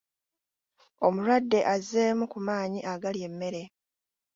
Omulwadde azzeemu ku maanyi agalya emmere.